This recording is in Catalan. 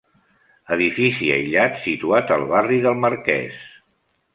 Edifici aïllat, situat al barri del Marquès.